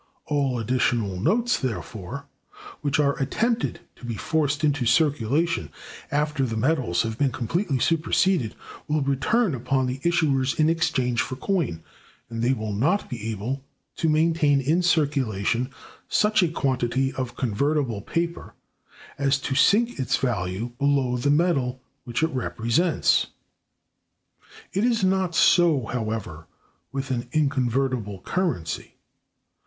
All additional notes, therefore, which are attempted to be forced into circulation after the metals have been completely superseded, will return upon the issuers in exchange for coin; and they will not be able to maintain in circulation such a quantity of convertible paper as to sink its value below the metal which it represents. It is not so, however, with an inconvertible currency.